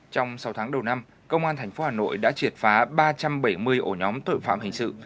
trong sáu tháng đầu năm công an tp hà nội đã triệt phá ba trăm bảy mươi ổ nhóm tội phạm hình sự